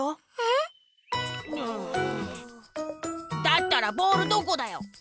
だったらボールどこだよ？